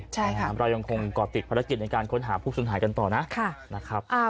เรายังคงก่อติดภารกิจในการค้นหาผู้สุนหายกันต่อนะ